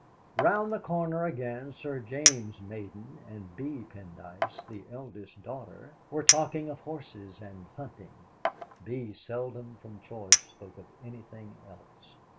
Round the corner again Sir James Malden and Bee Pendyce (the eldest daughter) were talking of horses and hunting Bee seldom from choice spoke of anything else.